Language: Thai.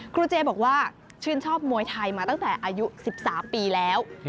ครูเจบอกว่าชื่นชอบมวยไทยมาตั้งแต่อายุ๑๓ปีแล้ว